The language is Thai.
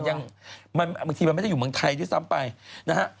บางทีมันไม่ได้อยู่เมืองไทยด้วยซ้ำไปนะฮะ